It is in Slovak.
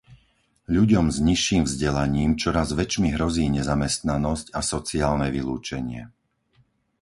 Ľuďom s nižším vzdelaním čoraz väčšmi hrozí nezamestnanosť a sociálne vylúčenie.